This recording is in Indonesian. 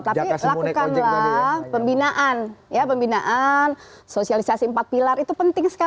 tapi lakukanlah pembinaan sosialisasi empat pilar itu penting sekali